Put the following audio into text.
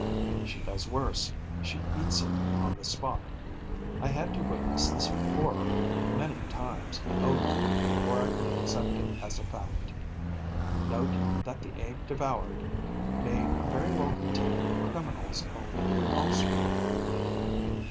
She does worse: she eats it on the spot. I had to witness this horror many times over before I could accept it as a fact. Note that the egg devoured may very well contain the criminal's own offspring.